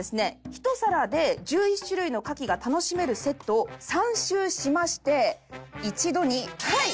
ひと皿で１１種類の牡蠣が楽しめるセットを３周しまして一度にはい！